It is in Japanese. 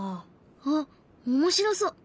あっ面白そう。